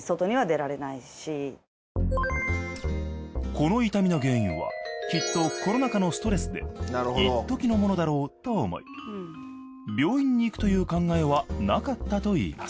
この痛みの原因はきっとコロナ禍のストレスでいっときのものだろうと思い病院に行くという考えはなかったといいます